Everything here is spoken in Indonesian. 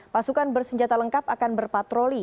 pasukan bersenjata lengkap akan berpatroli